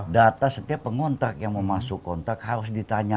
data setiap pengontrak yang mau masuk kontrak harus ditanya